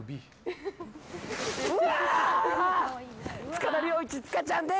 塚田僚一、つかちゃんです！